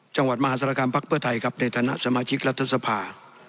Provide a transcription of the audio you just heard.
จังหวัดมหาศาลกรรมภักดิ์เพื่อไทยครับในฐานะสมาชิกรัฐสภา